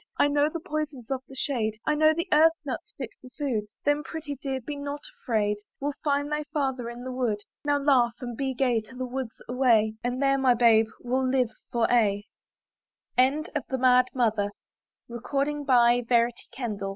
I know the poisons of the shade, I know the earth nuts fit for food; Then, pretty dear, be not afraid; We'll find thy father in the wood. Now laugh and be gay, to the woods away! And there, my babe; we'll live for aye. THE IDIOT BOY. Tis eight o'clock, a clear Ma